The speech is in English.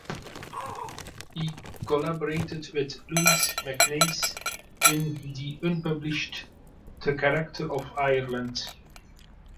He collaborated with Louis MacNeice in the unpublished "The Character of Ireland".